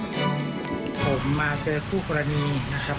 สวัสดีครับผมมาเจอคู่คนละนี้นะครับ